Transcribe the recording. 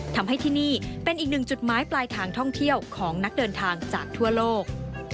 ทำให้ที่นี่เป็นอีกหนึ่งจุดหมายปลายทางท่องเที่ยวของนักเดินทางจากทั่วโลก